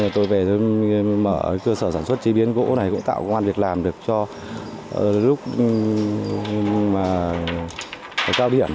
tôi về mở cơ sở sản xuất chế biến gỗ này cũng tạo công an việc làm được cho lúc cao điểm